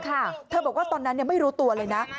เธอบอกว่าตอนนั้นไม่รู้ตัวเลยนะ